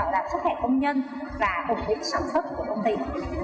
đã xuất hiện công nhân và ổn định sản xuất của công ty